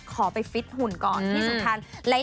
ขอไปฟิตหุ่นก่อนที่สำคัญ